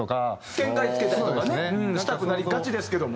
展開つけたりとかねしたくなりがちですけども。